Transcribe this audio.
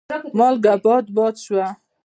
مالګه باد باد شوه.